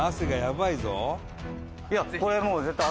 「いやこれもう絶対」